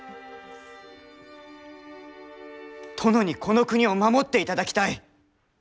殿にこの国を守っていただきたい！